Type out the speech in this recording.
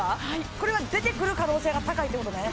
これは出てくる可能性が高いってことね